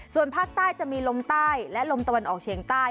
ส่วนภาคใต้จะมีลมใต้และลมตะวันออกเฉียงใต้